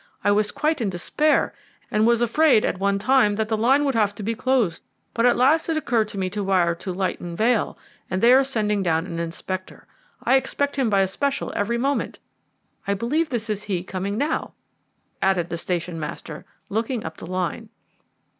I was quite in despair, and was afraid at one time that the line would have to be closed, but at last it occurred to me to wire to Lytton Vale, and they are sending down an inspector. I expect him by a special every moment. I believe this is he coming now," added the station master, looking up the line.